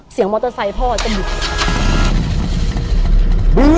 เสียงมอเตอร์ไซค์พ่อจะบุ๊บ